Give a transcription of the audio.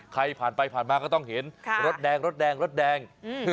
ใครผ่านไปผ่านมาก็ต้องเห็นรถแดงรถแดงรถแดง